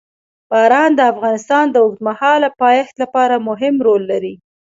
باران د افغانستان د اوږدمهاله پایښت لپاره مهم رول لري.